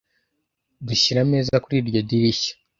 Dushyira ameza kuri iryo dirishya.